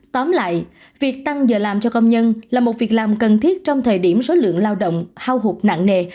tóm lại việc tăng giờ làm cho công nhân là một việc làm cần thiết trong thời điểm số lượng lao động hao hụt nặng nề